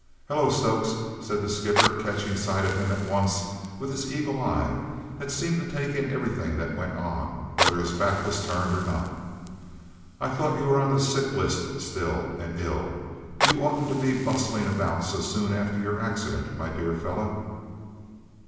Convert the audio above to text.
"Hullo, Stokes," said the skipper, catching sight of him at once with his eagle eye that seemed to take in everything that went on, whether his back was turned or not. "I thought you were on the sick list still, and ill. You oughtn't to be bustling about so soon after your accident, my dear fellow!"